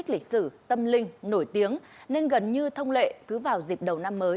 lịch sử tâm linh nổi tiếng nên gần như thông lệ cứ vào dịp đầu năm mới